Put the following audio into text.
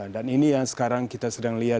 dan ini yang sekarang kita sedang lihat